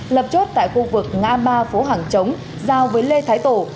lập chốt tại khu vực ngã ba phố hàng chống giao với lê thái tổ